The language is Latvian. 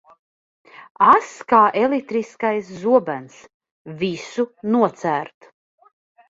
Ass kā elektriskais zobens, visu nocērt.